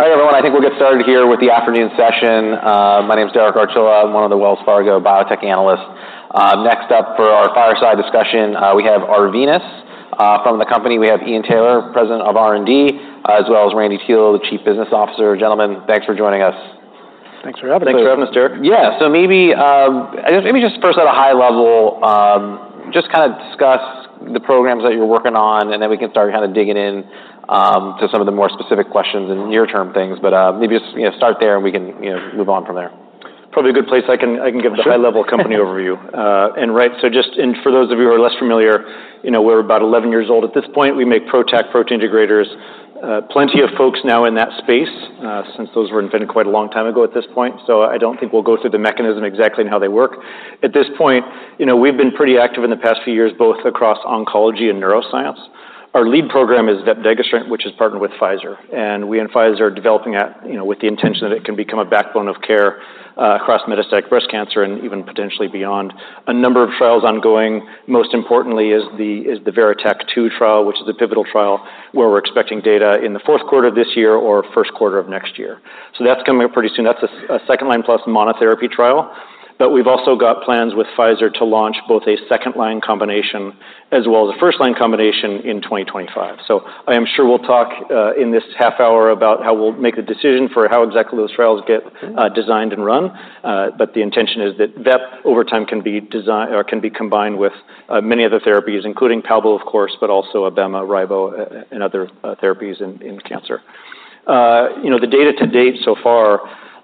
Hi, everyone. I think we'll get started here with the afternoon session. My name is Derek Archilla. I'm one of the Wells Fargo biotech analysts. Next up for our fireside discussion, we have Arvinas. From the company, we have Ian Taylor, President of R&D, as well as Randy Teel, the Chief Business Officer. Gentlemen, thanks for joining us. Thanks for having us. Thanks for having us, Derek. Yeah. So maybe just first at a high level, just kind of discuss the programs that you're working on, and then we can start kind of digging in to some of the more specific questions and near-term things. But, maybe just, you know, start there, and we can, you know, move on from there. Probably a good place I can... Sure... I can give the high-level company overview. For those of you who are less familiar, you know, we're about eleven years old at this point. We make PROTAC protein degraders. Plenty of folks now in that space, since those were invented quite a long time ago at this point, so I don't think we'll go through the mechanism exactly and how they work. At this point, you know, we've been pretty active in the past few years, both across oncology and neuroscience. Our lead program is vepdegestrant, which is partnered with Pfizer, and we and Pfizer are developing that, you know, with the intention that it can become a backbone of care, across metastatic breast cancer and even potentially beyond. A number of trials ongoing, most importantly, is the VERITAC-2 trial, which is a pivotal trial, where we're expecting data in the fourth quarter of this year or first quarter of next year. So that's coming up pretty soon. That's a second-line plus monotherapy trial. But we've also got plans with Pfizer to launch both a second-line combination as well as a first-line combination in 2025. So I am sure we'll talk in this half hour about how we'll make a decision for how exactly those trials get designed and run. But the intention is that VEP, over time, can be design or can be combined with many other therapies, including Palbo, of course, but also Abema, Ribo, and other therapies in cancer. You know, the data to date so far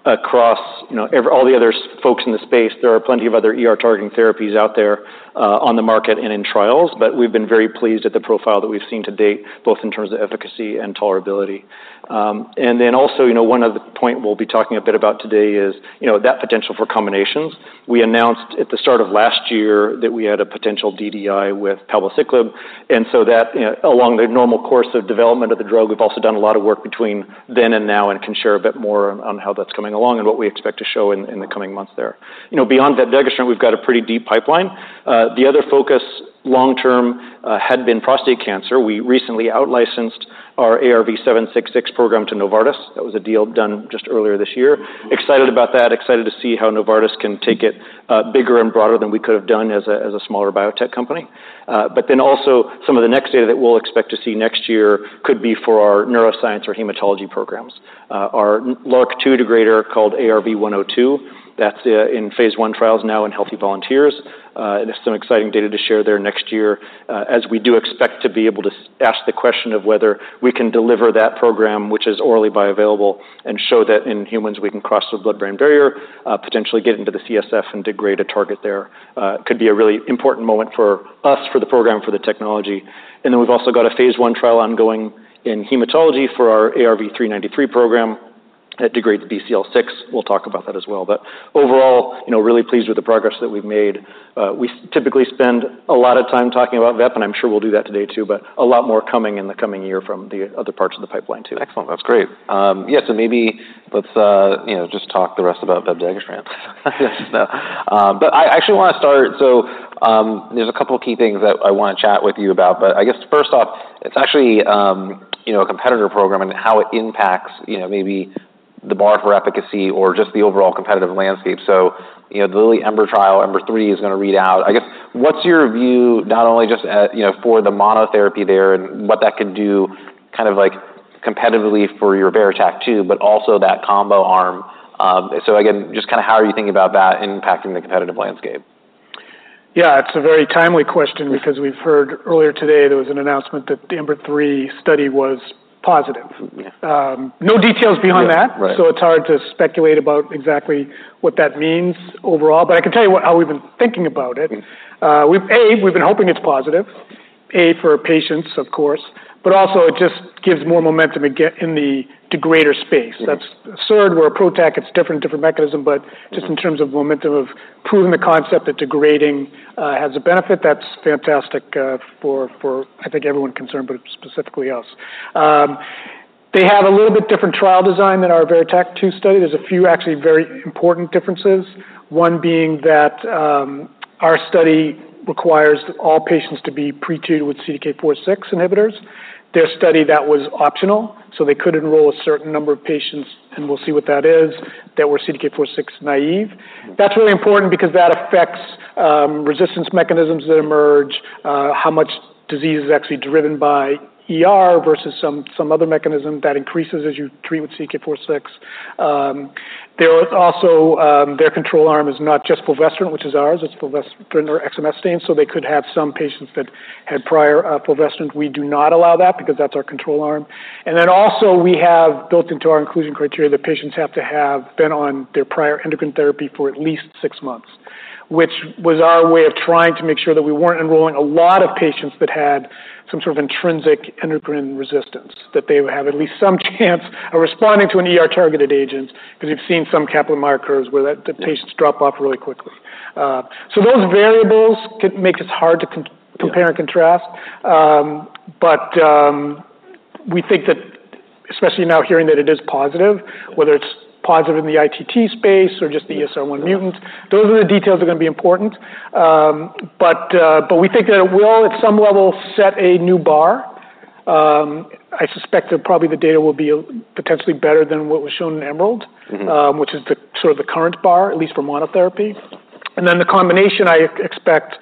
across, you know, all the other folks in the space, there are plenty of other ER-targeting therapies out there on the market and in trials, but we've been very pleased at the profile that we've seen to date, both in terms of efficacy and tolerability. And then also, you know, one other point we'll be talking a bit about today is, you know, that potential for combinations. We announced at the start of last year that we had a potential DDI with palbociclib, and so that, you know, along the normal course of development of the drug, we've also done a lot of work between then and now and can share a bit more on how that's coming along and what we expect to show in the coming months there. You know, beyond that vepdegestrant, we've got a pretty deep pipeline. The other focus, long-term, had been prostate cancer. We recently outlicensed our ARV-766 program to Novartis. That was a deal done just earlier this year. Excited about that, excited to see how Novartis can take it, bigger and broader than we could have done as a smaller biotech company. But then also, some of the next data that we'll expect to see next year could be for our neuroscience or hematology programs. Our LRRK2 degrader, called ARV-102, that's in phase 1 trials now in healthy volunteers. And there's some exciting data to share there next year, as we do expect to be able to ask the question of whether we can deliver that program, which is orally bioavailable, and show that in humans, we can cross the blood-brain barrier, potentially get into the CSF and degrade a target there. Could be a really important moment for us, for the program, for the technology. And then we've also got a phase 1 trial ongoing in hematology for our ARV-393 program. It degrades the BCL6. We'll talk about that as well. But overall, you know, really pleased with the progress that we've made. We typically spend a lot of time talking about VEP, and I'm sure we'll do that today, too, but a lot more coming in the coming year from the other parts of the pipeline, too. Excellent. That's great. Yeah, so maybe let's, you know, just talk the rest about vepdegestrant. But I actually want to start... So, there's a couple of key things that I want to chat with you about, but I guess first off, it's actually, you know, a competitor program and how it impacts, you know, maybe the bar for efficacy or just the overall competitive landscape. So, you know, the Lilly EMBER trial, EMBER-3, is going to read out. I guess, what's your view, not only just at, you know, for the monotherapy there and what that could do, kind of like, competitively for your VERITAC-2, but also that combo arm? So again, just kind of how are you thinking about that impacting the competitive landscape? Yeah, it's a very timely question because we've heard earlier today there was an announcement that the EMBER-3 study was positive. Yeah. No details beyond that. Right... so it's hard to speculate about exactly what that means overall, but I can tell you what- how we've been thinking about it. Mm-hmm. We've been hoping it's positive for patients, of course, but also it just gives more momentum again in the degrader space. Mm-hmm. That's a SERD, where PROTAC. It's different, different mechanism, but- Mm-hmm... just in terms of momentum, of proving the concept that degrading has a benefit, that's fantastic, for I think everyone concerned, but specifically us. They have a little bit different trial design than our VERITAC-2 study. There's a few actually very important differences, one being that our study requires all patients to be pre-treated with CDK4/6 inhibitors. Their study, that was optional, so they could enroll a certain number of patients, and we'll see what that is, that were CDK4/6 naive. That's really important because that affects resistance mechanisms that emerge, how much disease is actually driven by ER versus some other mechanism that increases as you treat with CDK4/6. There is also... Their control arm is not just palbociclib, which is ours. It's palbociclib and exemestane, so they could have some patients that had prior palbociclib. We do not allow that because that's our control arm. And then also, we have built into our inclusion criteria that patients have to have been on their prior endocrine therapy for at least six months, which was our way of trying to make sure that we weren't enrolling a lot of patients that had some sort of intrinsic endocrine resistance, that they would have at least some chance of responding to an ER-targeted agent, because we've seen some Kaplan-Meier curves where that- Yeah... the patients drop off really quickly. So those variables can make it hard to com- Yeah... compare and contrast, but we think that, especially now hearing that it is positive, whether it's positive in the ITT space or just the ESR1 mutant- Right... those are the details that are going to be important. We think that it will, at some level, set a new bar. I suspect that probably the data will be potentially better than what was shown in EMERALD, which is sort of the current bar, at least for monotherapy, and then the combination, I expect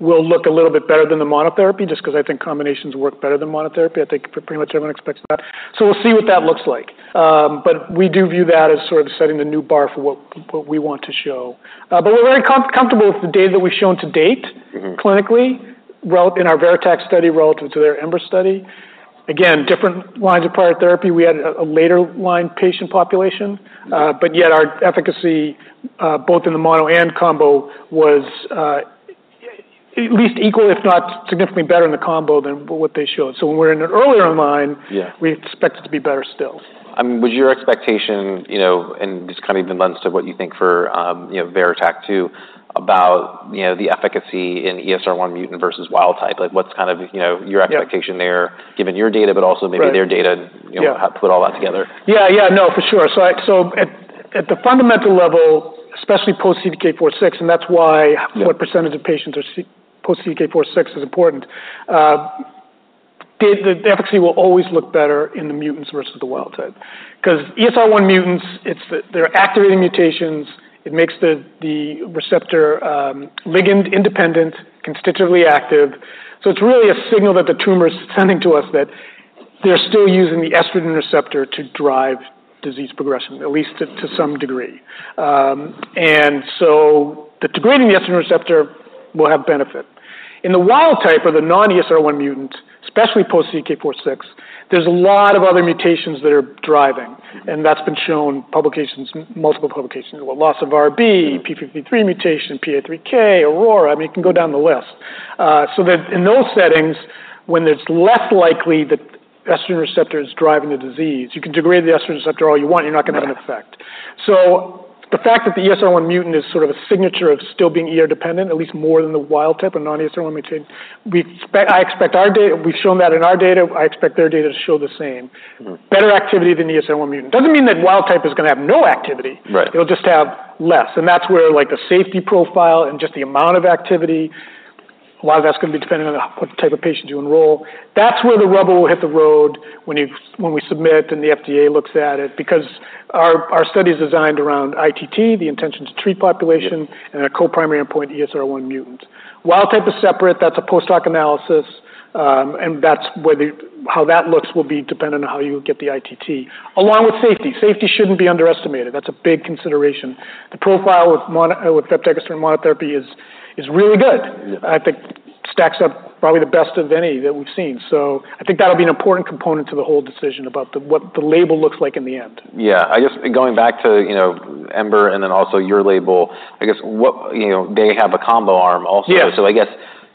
will look a little bit better than the monotherapy, just because I think combinations work better than monotherapy. I think pretty much everyone expects that, so we'll see what that looks like. We do view that as sort of setting the new bar for what we want to show. We're very comfortable with the data that we've shown to date- Mm-hmm. Clinically, well, in our VERITAC-2 study, relative to their EMBER-3 study. Again, different lines of prior therapy. We had a later line patient population, but yet our efficacy, both in the mono and combo, was at least equal, if not significantly better in the combo than what they showed. So when we're in an earlier line- Yeah. We expect it to be better still. Was your expectation, you know, and just kind of even lends to what you think for, you know, VERITAC-2, about, you know, the efficacy in ESR1 mutant versus wild type? Like, what's kind of, you know, your expectation there? Yeah -given your data, but also maybe their data- Right. Yeah You know, put all that together. Yeah, yeah. No, for sure. So at the fundamental level, especially post CDK4/6, and that's why- Yeah What percentage of patients are seen post CDK4/6 is important. The efficacy will always look better in the mutants versus the wild type. Because ESR1 mutants, it's the—they're activating mutations. It makes the receptor ligand independent, constitutively active. So it's really a signal that the tumor is sending to us that they're still using the estrogen receptor to drive disease progression, at least to some degree. And so degrading the estrogen receptor will have benefit. In the wild type or the non-ESR1 mutant, especially post CDK4/6, there's a lot of other mutations that are driving, and that's been shown in publications, multiple publications, with loss of RB, P53 mutation, PI3K, AURORA. I mean, it can go down the list. So that in those settings, when it's less likely that estrogen receptor is driving the disease, you can degrade the estrogen receptor all you want, you're not going to have an effect. Right. So the fact that the ESR1 mutant is sort of a signature of still being ER dependent, at least more than the wild type, a non-ESR1 mutant. I expect our data... We've shown that in our data. I expect their data to show the same. Mm-hmm. Better activity than ESR1 mutant. Doesn't mean that wild type is going to have no activity. Right. It'll just have less, and that's where, like, the safety profile and just the amount of activity, a lot of that's going to be dependent on what type of patients you enroll. That's where the rubber will hit the road when we submit and the FDA looks at it, because our study is designed around ITT, the intention to treat population- Yeah -and our co-primary endpoint, ESR1 mutant. Wild type is separate. That's a post hoc analysis. And that's where the-- how that looks will be dependent on how you get the ITT, along with safety. Safety shouldn't be underestimated. That's a big consideration. The profile with mono- with vepdegestrant monotherapy is really good. I think stacks up probably the best of any that we've seen. So I think that'll be an important component to the whole decision about the-- what the label looks like in the end. Yeah. I guess going back to, you know, EMBER and then also your label, I guess what... You know, they have a combo arm also. Yeah. I guess,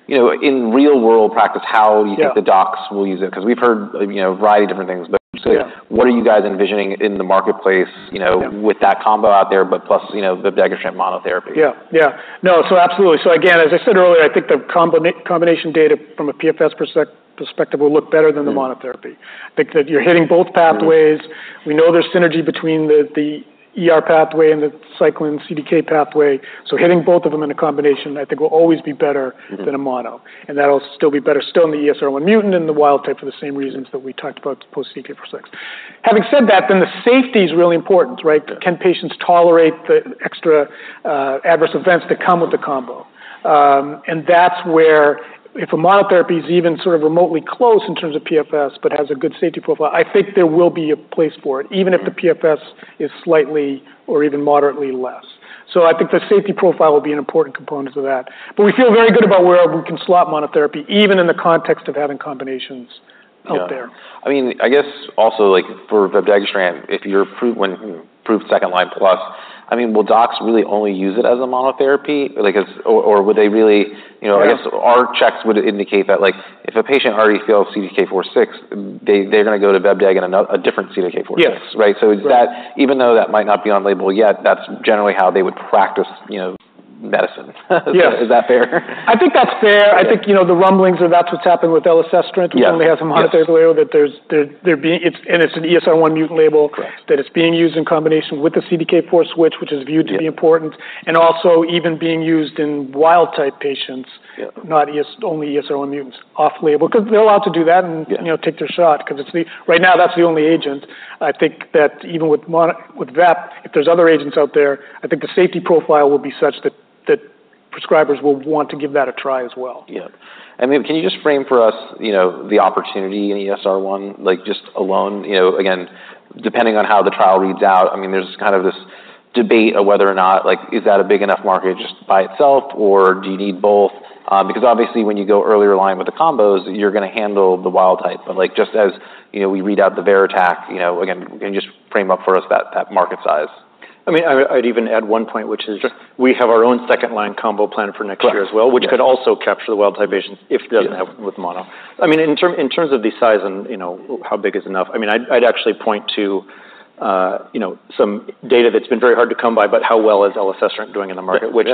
you know, in real world practice, how- Yeah You think the docs will use it? Because we've heard, you know, a variety of different things. Yeah. But what are you guys envisioning in the marketplace, you know? Yeah with that combo out there, but plus, you know, the vepdegestrant monotherapy? Yeah, yeah. No, so absolutely. So again, as I said earlier, I think the combination data from a PFS perspective will look better than the monotherapy. Mm-hmm. I think that you're hitting both pathways. Mm-hmm. We know there's synergy between the ER pathway and the cyclin CDK pathway. So hitting both of them in a combination, I think, will always be better- Mm-hmm -than a mono, and that'll still be better still in the ESR1 mutant and the wild type for the same reasons that we talked about post CDK4/6. Having said that, then the safety is really important, right? Yeah. Can patients tolerate the extra, adverse events that come with the combo? And that's where if a monotherapy is even sort of remotely close in terms of PFS, but has a good safety profile, I think there will be a place for it, even if the PFS is slightly or even moderately less. So I think the safety profile will be an important component of that. But we feel very good about where we can slot monotherapy, even in the context of having combinations out there. Yeah. I mean, I guess also, like, for vepdegestrant, if you're approved, when approved second line plus, I mean, will docs really only use it as a monotherapy? Like, or would they really, you know- Yeah... I guess our checks would indicate that, like, if a patient already fails CDK4/6, they're gonna go to vepdegestrant and another, a different CDK4/6. Yes. Right? Right. So is that, even though that might not be on label yet, that's generally how they would practice, you know, medicine. Yes. Is that fair? I think that's fair. Yeah. I think, you know, the rumblings of that's what's happened with elacestrant- Yeah which only has a monotherapy label, that there being, it's, and it's an ESR1 mutant label. Correct. That it's being used in combination with the CDK4/6, which is viewed to be important- Yeah and also even being used in wild type patients. Yeah Only ESR1 mutants, off-label, because they're allowed to do that and, you know, take their shot, because it's right now, that's the only agent. I think that even with vep, if there's other agents out there, I think the safety profile will be such that prescribers will want to give that a try as well. Yeah. I mean, can you just frame for us, you know, the opportunity in ESR1, like, just alone? You know, again, depending on how the trial reads out, I mean, there's kind of this debate of whether or not, like, is that a big enough market just by itself, or do you need both? Because obviously, when you go earlier line with the combos, you're going to handle the wild type. But like, just as, you know, we read out the VERITAC-2, you know, again, and just frame up for us that, that market size. I mean, I'd even add one point, which is- Sure We have our own second line combo planned for next year as well. Right, yeah -which could also capture the wild type patients if it doesn't happen with mono. I mean, in terms of the size and, you know, how big is enough, I mean, I'd actually point to, you know, some data that's been very hard to come by, but how well is elacestrant doing in the market? Yeah, yeah.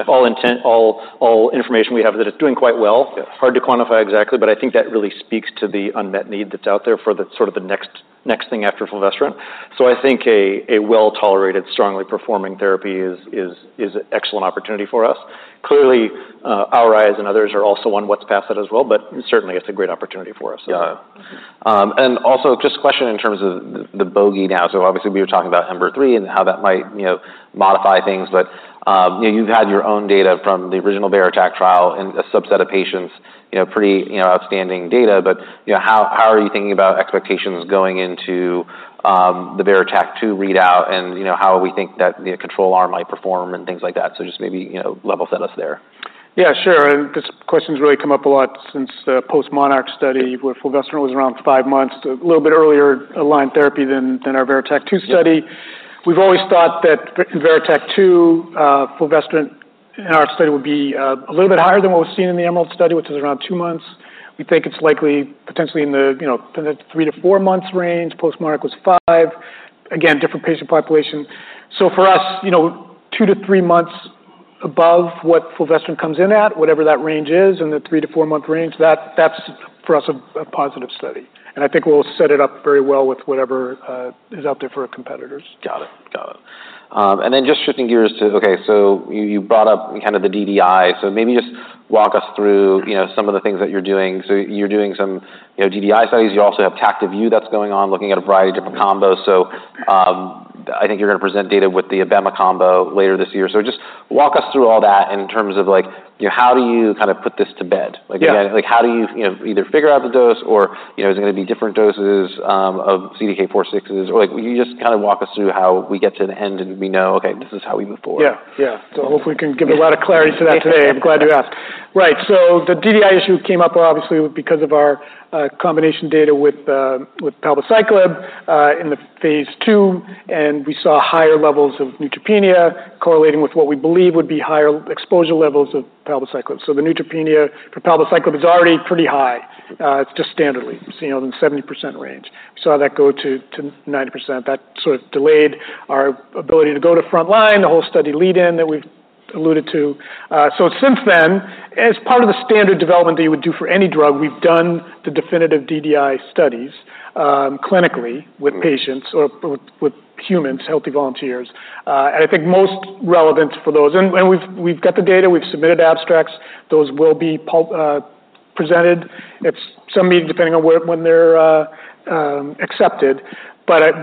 With all the information we have, it's doing quite well. Yeah. Hard to quantify exactly, but I think that really speaks to the unmet need that's out there for the sort of the next-... next thing after fulvestrant. So I think a well-tolerated, strongly performing therapy is an excellent opportunity for us. Clearly, our eyes and others are also on what's past that as well, but certainly, it's a great opportunity for us. Yeah. And also just a question in terms of the bogey now. So obviously, we were talking about EMBER-3 and how that might, you know, modify things, but, you know, you've had your own data from the original VERITAC trial and a subset of patients, you know, pretty, you know, outstanding data. But, you know, how are you thinking about expectations going into, the VERITAC-2 readout and, you know, how we think that the control arm might perform and things like that? So just maybe, you know, level set us there. Yeah, sure and this question's really come up a lot since the postMONARCH study, where fulvestrant was around five months, a little bit earlier line of therapy than our VERITAC-2 study. Yeah. We've always thought that vepdegestrant in VERITAC-2, fulvestrant in our study would be a little bit higher than what was seen in the EMERALD study, which is around two months. We think it's likely potentially in the, you know, in the three-to-four months range. postMONARCH was five. Again, different patient population. So for us, you know, two-to-three months above what fulvestrant comes in at, whatever that range is, in the three-to-four-month range, that's for us a positive study, and I think we'll set it up very well with whatever is out there for our competitors. Got it. Got it. And then just shifting gears to... Okay, so you, you brought up kind of the DDI. So maybe just walk us through, you know, some of the things that you're doing. So you're doing some, you know, DDI studies. You also have TACTIC-U that's going on, looking at a variety of different combos. So, I think you're going to present data with the abemaciclib combo later this year. So just walk us through all that in terms of like, you know, how do you kind of put this to bed? Yeah. Like, again, like, how do you, you know, either figure out the dose or, you know, is it going to be different doses of CDK4/6s? Or, like, will you just kind of walk us through how we get to the end, and we know, okay, this is how we move forward? Yeah. Yeah. So hopefully, we can give a lot of clarity to that today. I'm glad you asked. Right. So the DDI issue came up obviously because of our combination data with palbociclib in the phase II, and we saw higher levels of neutropenia correlating with what we believe would be higher exposure levels of palbociclib. So the neutropenia for palbociclib is already pretty high, just standardly, you know, in the 70% range. We saw that go to 90%. That sort of delayed our ability to go to frontline, the whole study lead-in that we've alluded to. So since then, as part of the standard development that you would do for any drug, we've done the definitive DDI studies clinically with patients or with humans, healthy volunteers. And I think most relevant for those... We've got the data, we've submitted abstracts. Those will be presented at some meeting, depending on when they're accepted.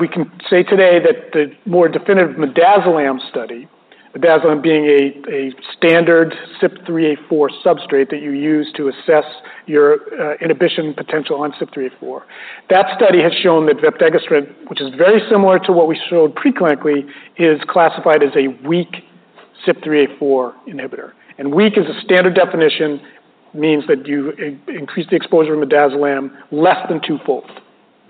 We can say today that the more definitive midazolam study, midazolam being a standard CYP3A4 substrate that you use to assess your inhibition potential on CYP3A4. That study has shown that vepdegestrant, which is very similar to what we showed pre-clinically, is classified as a weak CYP3A4 inhibitor. Weak, as a standard definition, means that you increase the exposure of midazolam less than twofold,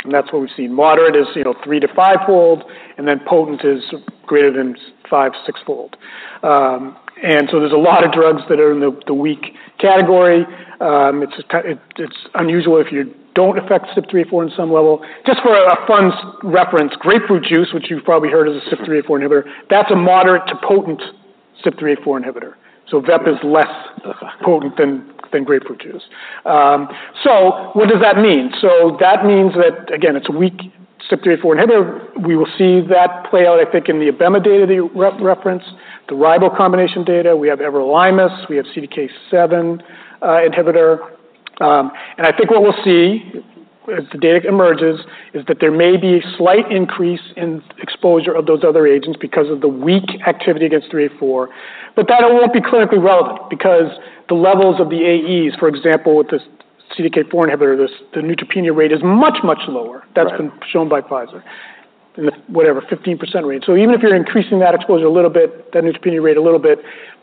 and that's what we've seen. Moderate is, you know, three to fivefold, and then potent is greater than five- or sixfold. And so there's a lot of drugs that are in the weak category. It's unusual if you don't affect CYP3A4 on some level. Just for a fun reference, grapefruit juice, which you've probably heard, is a CYP3A4 inhibitor. That's a moderate to potent CYP3A4 inhibitor, so VEP is less potent than grapefruit juice. So what does that mean? So that means that, again, it's a weak CYP3A4 inhibitor. We will see that play out, I think, in the abema data that you referenced, the ribo combination data. We have everolimus, we have CDK7 inhibitor. And I think what we'll see as the data emerges, is that there may be a slight increase in exposure of those other agents because of the weak activity against 3A4, but that it won't be clinically relevant because the levels of the AEs, for example, with this CDK4 inhibitor, this. The neutropenia rate is much, much lower. Right. That's been shown by Pfizer, in the, whatever, 15% rate. So even if you're increasing that exposure a little bit, that neutropenia rate a little bit,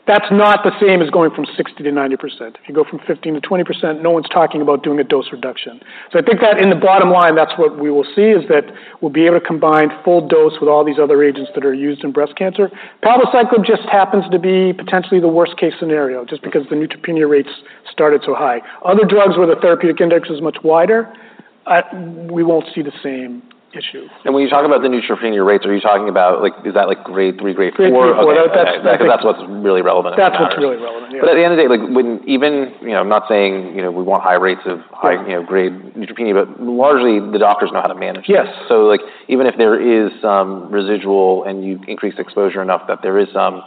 that's not the same as going from 60%-90%. If you go from 15%-20%, no one's talking about doing a dose reduction. So I think that in the bottom line, that's what we will see, is that we'll be able to combine full dose with all these other agents that are used in breast cancer. Palbociclib just happens to be potentially the worst-case scenario, just because the neutropenia rates started so high. Other drugs where the therapeutic index is much wider, we won't see the same issue. When you talk about the neutropenia rates, are you talking about, like, is that like Grade 3, Grade 4? 3, 3, 4. That's- Okay. Because that's what's really relevant in this matter. That's what's really relevant, yeah. But at the end of the day, like when... Even, you know, I'm not saying, you know, we want high rates of high- Yeah... you know, grade neutropenia, but largely, the doctors know how to manage this. Yes. So, like, even if there is some residual, and you increase exposure enough that there is some,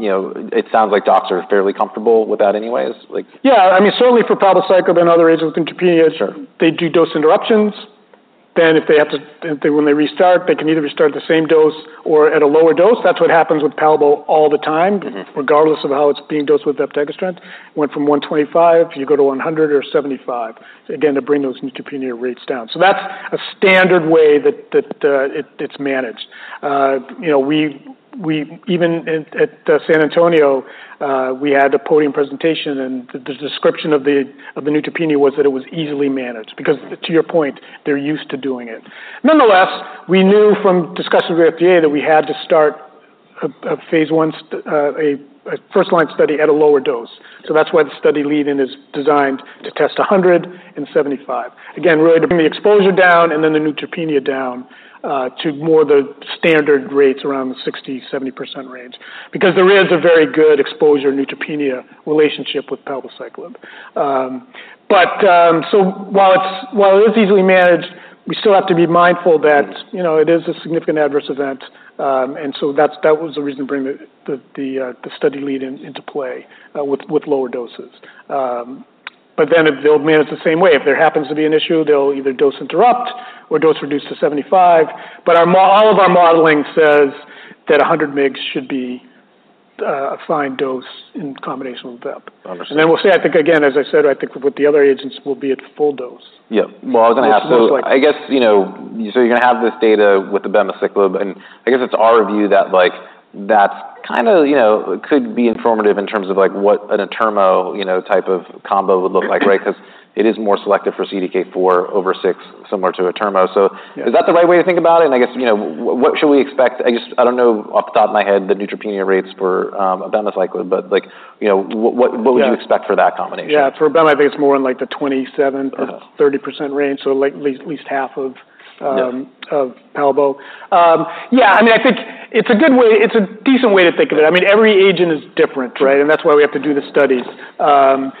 you know, it sounds like docs are fairly comfortable with that anyways, like? Yeah. I mean, certainly for palbociclib and other agents with neutropenia- Sure... they do dose interruptions. Then if they have to, then when they restart, they can either restart the same dose or at a lower dose. That's what happens with palbo all the time- Mm-hmm... regardless of how it's being dosed with vepdegestrant. Went from 125, you go to 100 or 175, again, to bring those neutropenia rates down. So that's a standard way that it is managed. You know, we even at San Antonio we had a podium presentation, and the description of the neutropenia was that it was easily managed because, to your point, they're used to doing it. Nonetheless, we knew from discussions with the FDA that we had to start a phase I first-line study at a lower dose. So that's why the study lead-in is designed to test 175. Again, really to bring the exposure down and then the neutropenia down to more the standard rates around the 60%-70% range. Because there is a very good exposure-neutropenia relationship with palbociclib, but so while it's, while it is easily managed, we still have to be mindful that, you know, it is a significant adverse event, and so that was the reason to bring the study lead-in into play with lower doses, but then they'll manage the same way. If there happens to be an issue, they'll either dose interrupt or dose reduce to 75, but all of our modeling says that 100 mg should be a fine dose in combination with VEP. Understood. And then we'll see. I think, again, as I said, I think with the other agents, we'll be at full dose. Yeah. Well, I was gonna ask, so I guess, you know, so you're gonna have this data with abemaciclib, and I guess it's our view that, like, that's kind of, you know, could be informative in terms of, like, what an abema, you know, type of combo would look like, right? Because it is more selective for CDK4 over six, similar to abema. Yeah. So is that the right way to think about it? And I guess, you know, what should we expect? I just... I don't know, off the top of my head, the neutropenia rates for abemaciclib, but like, you know, what- Yeah... would you expect for that combination? Yeah. For abema, I think it's more in, like, the 27%-30% range, so like at least half of- Yeah of palbociclib. Yeah, I mean, I think it's a good way. It's a decent way to think of it. I mean, every agent is different, right? Yeah. That's why we have to do the studies. I'm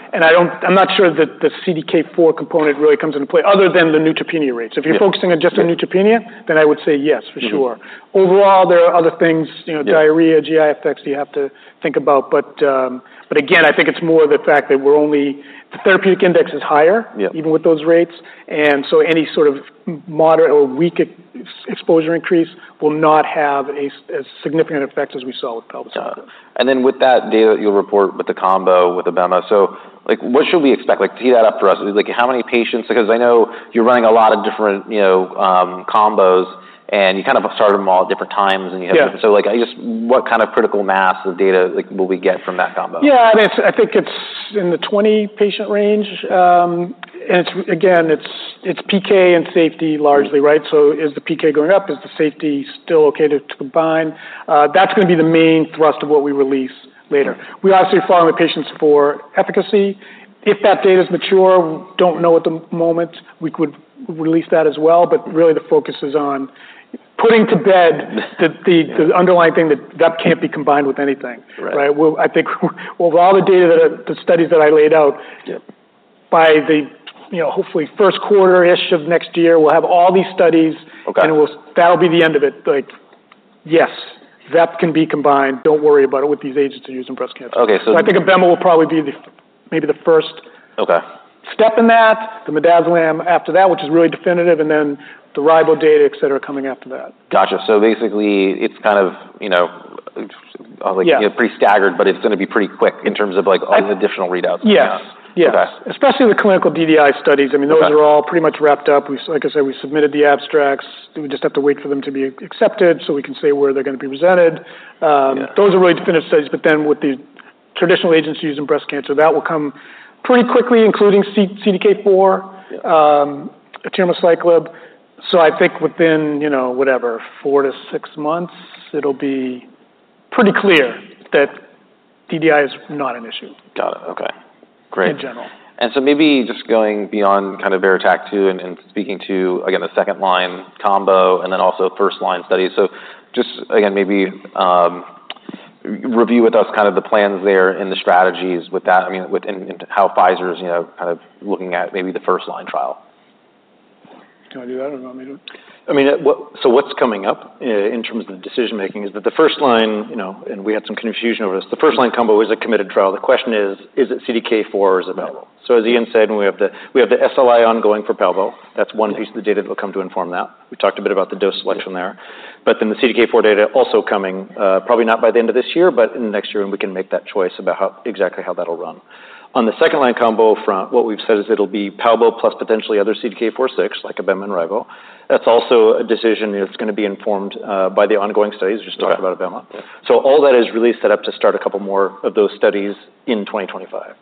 not sure that the CDK4 component really comes into play other than the neutropenia rates. Yeah. So if you're focusing on just the neutropenia, then I would say yes, for sure. Mm-hmm. Overall, there are other things, you know- Yeah... diarrhea, GI effects you have to think about, but again, I think it's more the fact that we're only... The therapeutic index is higher- Yeah Even with those rates, and so any sort of moderate or weak exposure increase will not have as significant effect as we saw with palbociclib. Got it. And then with that data that you'll report with the combo, with abema, so, like, what should we expect? Like, tee that up for us. Like, how many patients? Because I know you're running a lot of different, you know, combos, and you kind of start them all at different times, and you have- Yeah. Like, I just—what kind of critical mass of data, like, will we get from that combo? Yeah, I mean, I think it's in the 20-patient range, and it's again PK and safety largely, right? So is the PK going up? Is the safety still okay to combine? That's gonna be the main thrust of what we release later. Mm-hmm. We're obviously following the patients for efficacy. If that data is mature, don't know at the moment, we could release that as well. But really, the focus is on putting to bed-... the underlying thing that can't be combined with anything. Right. Right? I think with all the data that the studies that I laid out- Yeah... by the, you know, hopefully first quarter-ish of next year, we'll have all these studies. Okay. That'll be the end of it. Like, yes, VEP can be combined. Don't worry about it, with these agents used in breast cancer. Okay, so- So I think abema will probably be the, maybe the first- Okay - step in that, the midazolam after that, which is really definitive, and then the ribo data, et cetera, coming after that. Gotcha. So basically, it's kind of, you know, like- Yeah... pretty staggered, but it's gonna be pretty quick in terms of, like, additional readouts? Yes. Yes. Okay. Especially the clinical DDI studies. Okay. I mean, those are all pretty much wrapped up. We, like I said, we submitted the abstracts. We just have to wait for them to be accepted so we can say where they're gonna be presented. Yeah. Those are really finished studies, but then with the traditional agents in breast cancer, that will come pretty quickly, including CDK4/6, abemaciclib. So I think within, you know, whatever, four to six months, it'll be pretty clear that DDI is not an issue. Got it. Okay, great. In general. Maybe just going beyond kind of VERITAC-2 and speaking to, again, the second line combo and then also first-line studies. Just, again, maybe review with us kind of the plans there and the strategies with that, I mean, within how Pfizer is, you know, kind of looking at maybe the first line trial. Can I do that, or you want me to? I mean, so what's coming up in terms of the decision-making is that the first line, you know, and we had some confusion over this, the first line combo is a committed trial. The question is, is it CDK4 or is it VEP? Right. As Ian said, we have the SLI ongoing for palbo. Yeah. That's one piece of the data that will come to inform that. We talked a bit about the dose selection there. Yeah. But then the CDK4 data also coming, probably not by the end of this year, but in the next year, and we can make that choice about how, exactly how that'll run. On the second line combo front, what we've said is it'll be palbo plus potentially other CDK4/6, like abema and ribo. That's also a decision that's gonna be informed, by the ongoing studies. Got it. We just talked about abemaciclib. So all that is really set up to start a couple more of those studies in twenty twenty-five.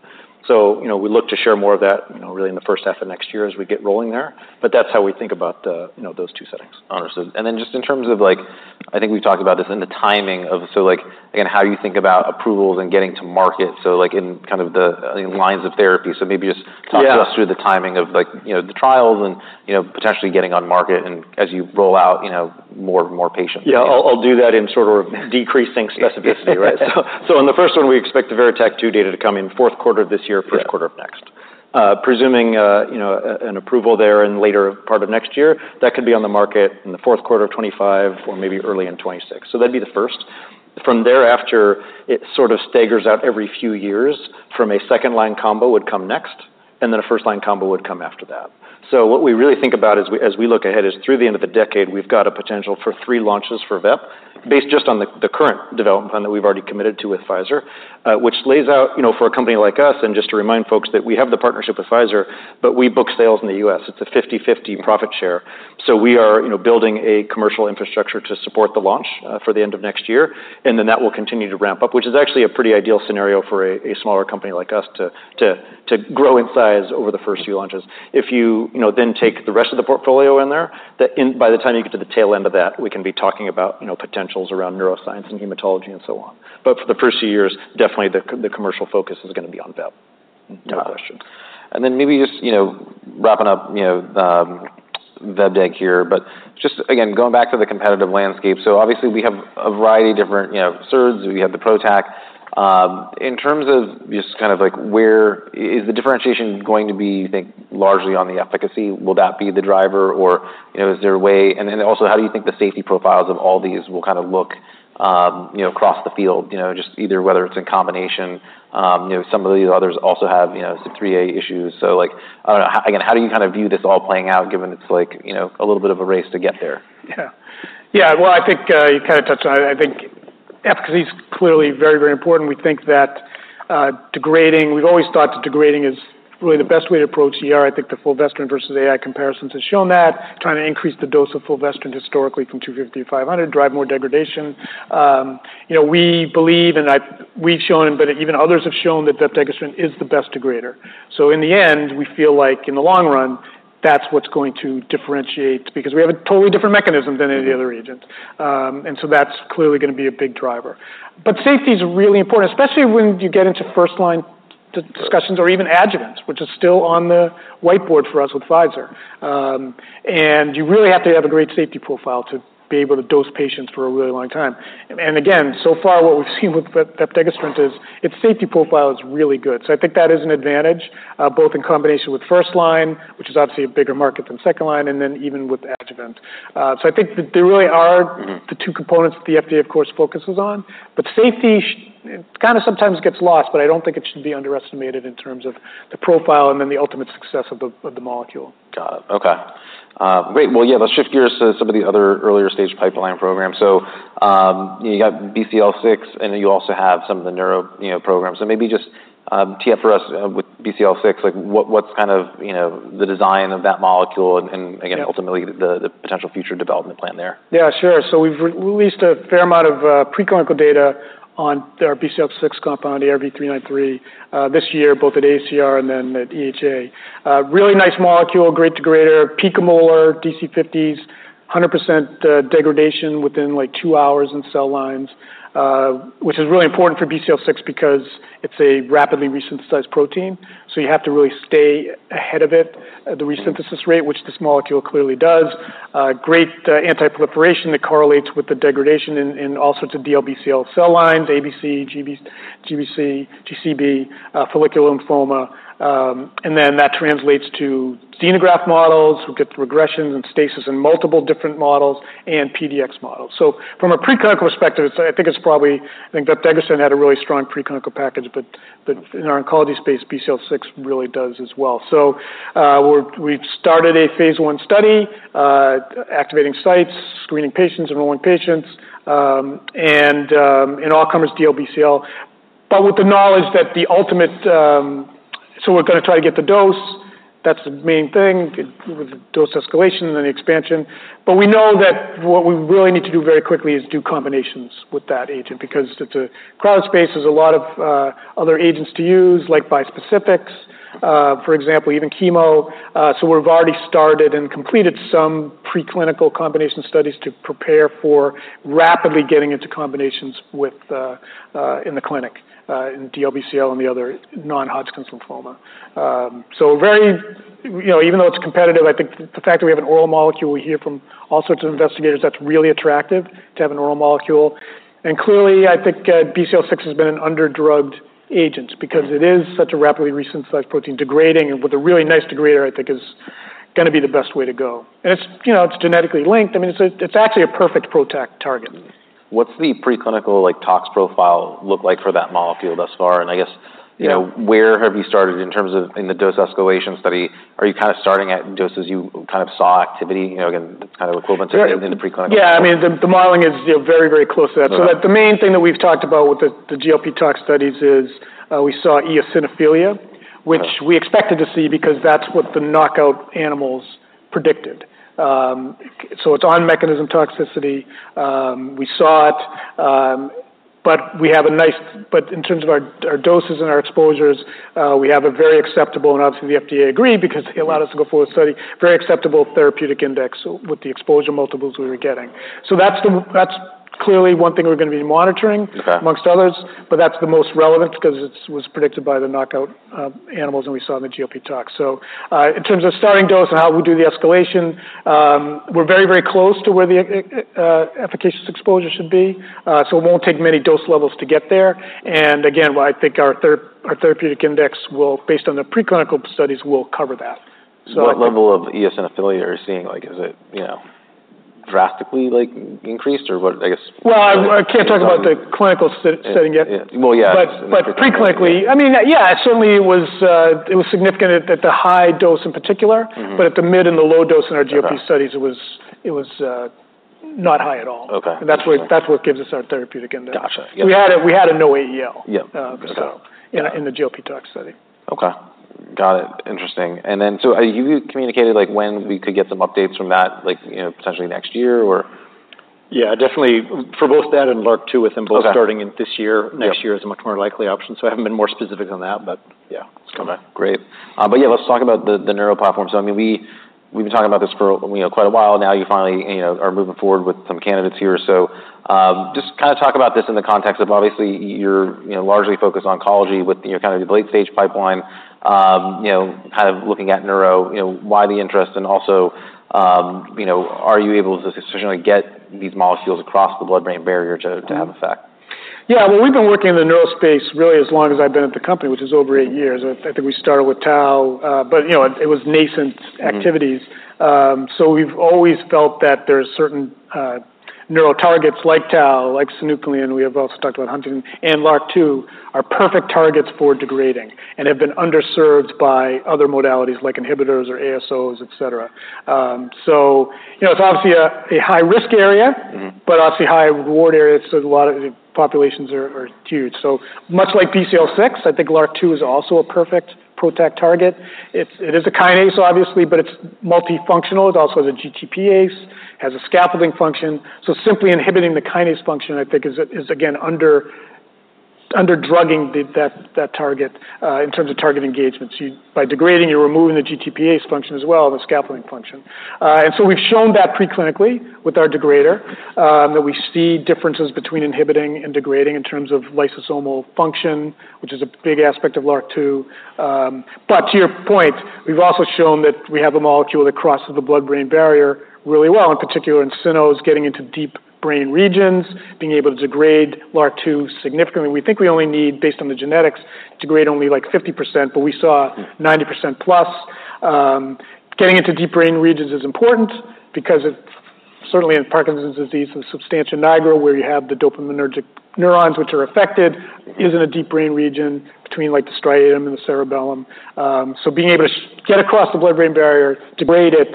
So, you know, we look to share more of that, you know, really in the first half of next year as we get rolling there. But that's how we think about the, you know, those two settings. Understood. And then just in terms of, like, I think we've talked about this in the timing of... So like, again, how you think about approvals and getting to market, so like in kind of the lines of therapy. So maybe just- Yeah... talk us through the timing of, like, you know, the trials and, you know, potentially getting on market and as you roll out, you know, more and more patients. Yeah, I'll do that in sort of decreasing specificity, right? So on the first one, we expect the VERITAC-2 data to come in fourth quarter of this year. Yeah First quarter of next. Presuming, you know, an approval there in later part of next year, that could be on the market in the fourth quarter of 2025 or maybe early in 2026. So that'd be the first. From thereafter, it sort of staggers out every few years, from a second-line combo would come next, and then a first line combo would come after that. So what we really think about as we look ahead, is through the end of the decade, we've got a potential for three launches for VEP, based just on the current development plan that we've already committed to with Pfizer. Which lays out, you know, for a company like us, and just to remind folks, that we have the partnership with Pfizer, but we book sales in the US. It's a fifty-fifty profit share. So we are, you know, building a commercial infrastructure to support the launch for the end of next year, and then that will continue to ramp up, which is actually a pretty ideal scenario for a smaller company like us to grow in size over the first few launches. If you, you know, then take the rest of the portfolio in there, by the time you get to the tail end of that, we can be talking about, you know, potentials around neuroscience and hematology and so on. But for the first few years, definitely the commercial focus is gonna be on VEP. Got it. No question. And then maybe just, you know, wrapping up, you know, the deck here, but just again, going back to the competitive landscape. So obviously, we have a variety of different, you know, SERDs, we have the PROTAC. In terms of just kind of like, where is the differentiation going to be, you think, largely on the efficacy? Will that be the driver, or, you know, is there a way? And then also, how do you think the safety profiles of all these will kind of look, you know, across the field? You know, just either whether it's in combination, you know, some of the others also have, you know, some 3A issues. So like, I don't know, how again, how do you kind of view this all playing out, given it's like, you know, a little bit of a race to get there? Yeah. Yeah, well, I think you kind of touched on it. I think efficacy is clearly very, very important. We think that degrading. We've always thought that degrading is really the best way to approach ER. I think the fulvestrant versus AI comparisons has shown that. Trying to increase the dose of fulvestrant historically from 250 to 500, drive more degradation. You know, we believe, and we've shown, but even others have shown that vepdegestrant is the best degrader. So in the end, we feel like in the long run, that's what's going to differentiate, because we have a totally different mechanism than any other agent. And so that's clearly gonna be a big driver. But safety is really important, especially when you get into first-line discussions or even adjuvants, which is still on the whiteboard for us with Pfizer. And you really have to have a great safety profile to be able to dose patients for a really long time. And again, so far, what we've seen with vepdegestrant is its safety profile is really good. So I think that is an advantage, both in combination with first line, which is obviously a bigger market than second line, and then even with adjuvant. So I think that there really are the two components that the FDA, of course, focuses on. But safety. Shit, it kind of sometimes gets lost, but I don't think it should be underestimated in terms of the profile and then the ultimate success of the molecule. Got it. Okay. Great. Well, yeah, let's shift gears to some of the other earlier stage pipeline programs. So, you got BCL6, and then you also have some of the neuro, you know, programs. So maybe just tell us about BCL6, like, what's kind of, you know, the design of that molecule and again, ultimately, the potential future development plan there? Yeah, sure. So we've released a fair amount of preclinical data on our BCL6 compound, ARV-393, this year, both at AACR and then at EHA. Really nice molecule, great degrader, picomolar DC50s, 100% degradation within, like, two hours in cell lines. Which is really important for BCL6 because it's a rapidly resynthesized protein, so you have to really stay ahead of it, the resynthesis rate, which this molecule clearly does. Great anti-proliferation that correlates with the degradation in all sorts of DLBCL cell lines, ABC, GCB, follicular lymphoma. And then that translates to xenograft models. We get the regressions and stasis in multiple different models and PDX models. From a preclinical perspective, it's probably vepdegrestrant had a really strong preclinical package, but in our oncology space, BCL6 really does as well. We've started a phase one study, activating sites, screening patients, enrolling patients, and an all-comers DLBCL, but with the knowledge that the ultimate. We're gonna try to get the dose. That's the main thing, with the dose escalation and then the expansion. But we know that what we really need to do very quickly is do combinations with that agent, because the crowded space is a lot of other agents to use, like bispecifics, for example, even chemo. So we've already started and completed some preclinical combination studies to prepare for rapidly getting into combinations with in the clinic in DLBCL and the other non-Hodgkin's lymphoma. So very, you know, even though it's competitive, I think the fact that we have an oral molecule, we hear from all sorts of investigators, that's really attractive to have an oral molecule. And clearly, I think, BCL6 has been an under-drugged agent because it is such a rapidly resynthesized protein. Degrading with a really nice degrader, I think, is gonna be the best way to go. And it's, you know, it's genetically linked. I mean, it's actually a perfect PROTAC target. What's the preclinical, like, tox profile look like for that molecule thus far? And I guess- Yeah... you know, where have you started in terms of in the dose escalation study? Are you kind of starting at doses you kind of saw activity, you know, again, kind of equivalent to in the preclinical? Yeah, I mean, the modeling is, you know, very, very close to that. Right. The main thing that we've talked about with the GLP tox studies is we saw eosinophilia- Yeah... which we expected to see because that's what the knockout animals predicted. So it's on-mechanism toxicity. We saw it, but in terms of our doses and our exposures, we have a very acceptable, and obviously, the FDA agreed because they allowed us to go forward with study, very acceptable therapeutic index with the exposure multiples we were getting. So that's clearly one thing we're gonna be monitoring- Okay... among others, but that's the most relevant because it was predicted by the knockout animals and we saw in the GLP tox. So, in terms of starting dose and how we do the escalation, we're very, very close to where the efficacious exposure should be, so it won't take many dose levels to get there. And again, I think our therapeutic index will, based on the preclinical studies, cover that. So- What level of eosinophilia are you seeing? Like, is it, you know, drastically, like, increased or what, I guess- I can't talk about the clinical setting yet. Yeah. Well, yeah. But pre-clinically, I mean, yeah, certainly it was significant at the high dose in particular. Mm-hmm. but at the mid and the low dose in our GLP studies. Okay... it was not high at all. Okay. That's what gives us our therapeutic index. Gotcha. We had a idea Yeah. So in the GLP tox study. Okay. Got it. Interesting. And then, so have you communicated, like, when we could get some updates from that, like, you know, potentially next year, or? Yeah, definitely. For both that and LRRK2, with them both- Okay... starting in this year, next year is a much more likely option, so I haven't been more specific on that, but yeah, it's coming. Okay, great. But yeah, let's talk about the neuro platform. So I mean, we've been talking about this for, you know, quite a while now. You finally, you know, are moving forward with some candidates here. So, just kind of talk about this in the context of obviously, you're, you know, largely focused on oncology with, you know, kind of the late-stage pipeline. You know, kind of looking at neuro, you know, why the interest? And also, you know, are you able to sufficiently get these molecules across the blood-brain barrier to have effect? Yeah. Well, we've been working in the neuro space really as long as I've been at the company, which is over eight years. I think we started with tau, but, you know, it was nascent activities. So, we've always felt that there are certain neuro targets like tau, like synuclein, we have also talked about huntingtin, and LRRK2, are perfect targets for degrading and have been underserved by other modalities like inhibitors or ASOs, et cetera. So, you know, it's obviously a high-risk area- Mm-hmm. But obviously high reward area, so a lot of the populations are huge. So much like PINK1, I think LRRK2 is also a perfect PROTAC target. It is a kinase, obviously, but it is multifunctional. It is also the GTPase, has a scaffolding function. So simply inhibiting the kinase function, I think, is again under drugging that target in terms of target engagement. So by degrading, you are removing the GTPase function as well, the scaffolding function. And so we have shown that preclinically with our degrader that we see differences between inhibiting and degrading in terms of lysosomal function, which is a big aspect of LRRK2. But to your point, we have also shown that we have a molecule that crosses the blood-brain barrier really well, in particular, in cynos, getting into deep brain regions, being able to degrade LRRK2 significantly. We think we only need, based on the genetics, to degrade only, like, 50%, but we saw 90% plus. Getting into deep brain regions is important because it, certainly in Parkinson's disease, the substantia nigra, where you have the dopaminergic neurons, which are affected, is in a deep brain region between, like, the striatum and the cerebellum. So being able to get across the blood-brain barrier, degrade it,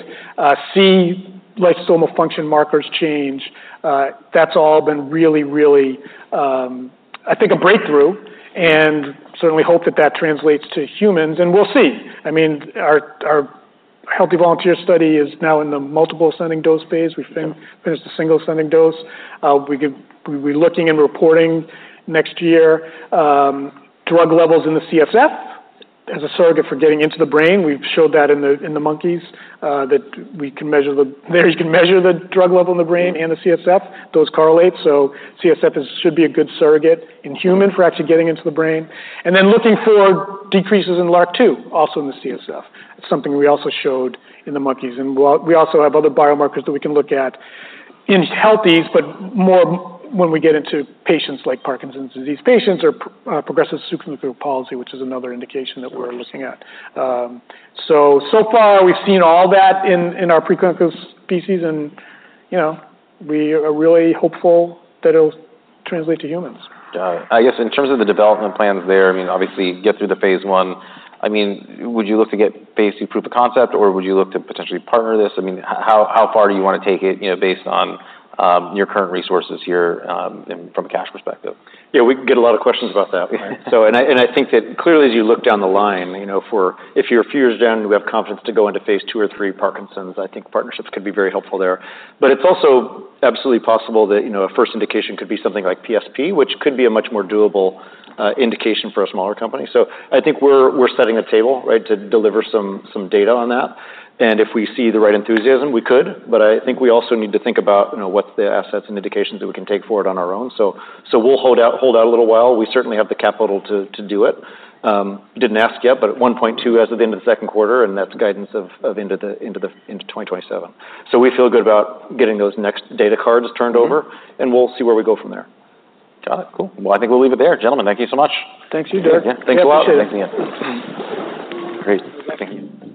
see lysosomal function markers change, that's all been really, really, I think, a breakthrough, and certainly hope that that translates to humans, and we'll see. I mean, our healthy volunteer study is now in the multiple ascending dose phase. We've finished the single ascending dose. We give... We'll be looking and reporting next year, drug levels in the CSF as a surrogate for getting into the brain. We've showed that in the monkeys that we can measure the drug level in the brain and the CSF. Those correlate, so CSF should be a good surrogate in human for actually getting into the brain. And then looking for decreases in LRRK2, also in the CSF. It's something we also showed in the monkeys, and we also have other biomarkers that we can look at in healthies, but more when we get into patients like Parkinson's disease patients or progressive supranuclear palsy, which is another indication that we're looking at. So far, we've seen all that in our preclinical species and, you know, we are really hopeful that it'll translate to humans. Got it. I guess, in terms of the development plans there, I mean, obviously, get through the phase one. I mean, would you look to get phase two proof of concept, or would you look to potentially partner this? I mean, how far do you want to take it, you know, based on your current resources here, and from a cash perspective? Yeah, we get a lot of questions about that. So, I think that clearly, as you look down the line, you know, for if you're a few years down and we have confidence to go into phase two or three Parkinson's, I think partnerships could be very helpful there. But it's also absolutely possible that, you know, a first indication could be something like PSP, which could be a much more doable indication for a smaller company. So I think we're setting a table, right, to deliver some data on that. And if we see the right enthusiasm, we could, but I think we also need to think about, you know, what the assets and indications that we can take forward on our own. So, we'll hold out a little while. We certainly have the capital to do it. Didn't ask yet, but at $1.2 billion as of the end of the second quarter, and that's guidance of into 2027. So we feel good about getting those next data cards turned over- Mm-hmm. And we'll see where we go from there. Got it. Cool. Well, I think we'll leave it there. Gentlemen, thank you so much. Thanks to you, Derek. Yeah. Thank you all. Appreciate it. Thanks again. Great. Thank you.